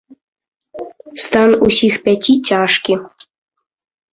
Стан усіх пяці цяжкі.